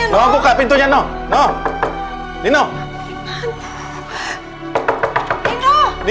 noh buka pintunya noh